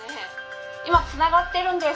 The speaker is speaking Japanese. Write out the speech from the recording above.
今つながってるんです。